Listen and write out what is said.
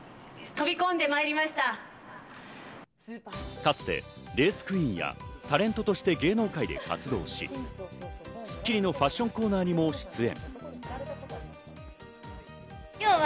かつてレースクイーンやタレントとして芸能界で活動し、『スッキリ』のファッションコーナーにも出演。